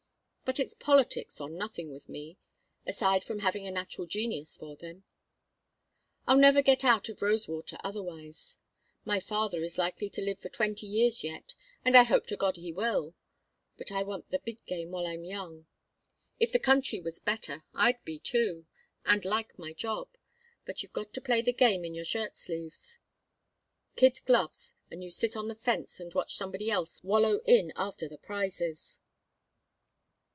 But it's politics or nothing with me, aside from having a natural genius for them. I'll never get out of Rosewater otherwise. My father is likely to live for twenty years yet, and I hope to God he will; but I want the big game while I'm young. If the country was better I'd be, too, and like my job. But you've got to play the game in your shirt sleeves. Kid gloves, and you sit on the fence and watch somebody else wallow in after the prizes."